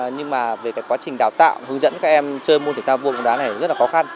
nhưng mà về quá trình đào tạo hướng dẫn các em chơi môn thể thao vua bóng đá này rất là khó khăn